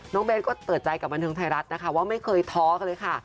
เบสก็เปิดใจกับบันเทิงไทยรัฐนะคะว่าไม่เคยท้อกันเลยค่ะ